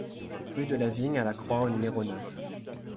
Rue de la Vigne à la Croix au numéro neuf